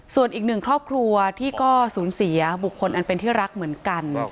ส่วนอีกหนึ่งครอบครัวที่ก็สูญเสียบุคคลอันเป็นที่รักเหมือนกัน